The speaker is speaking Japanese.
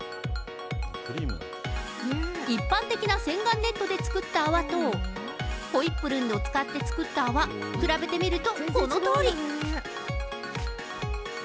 一般的な洗顔ネットで作った泡と、ほいっぷるんを使って作った泡、比べてみるとこのとおり。